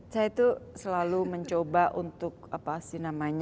saya itu selalu mencoba untuk berpikir ala hubungan negara itu